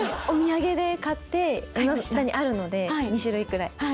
お土産で買っていまだにあるので２種類くらい。